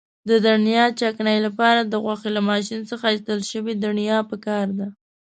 د دڼیا چکنۍ لپاره د غوښې له ماشین څخه ایستل شوې دڼیا پکار ده.